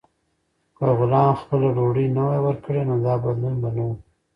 که غلام خپله ډوډۍ نه وای ورکړې، نو دا بدلون به نه و.